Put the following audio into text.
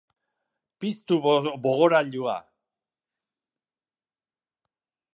Piztu bogorailua.